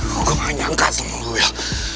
gua gak nyangka sama lu wil